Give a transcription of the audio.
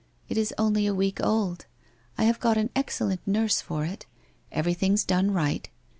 It is only a week old. I have got an excellent nurse for it. Everything's done right.